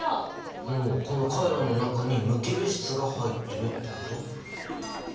このカイロの中に無機物質が入ってるってこと？